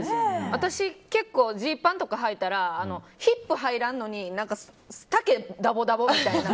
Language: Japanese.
私、結構ジーパンとかはいたらヒップ入らんのに丈がダボダボみたいな。